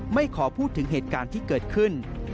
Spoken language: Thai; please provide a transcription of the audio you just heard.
ไม่ขอพูดถึงเหตุการณ์ที่เกิดขึ้น